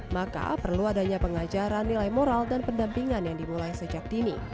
maka perlu adanya pengajaran nilai moral dan pendampingan yang dimulai sejak dini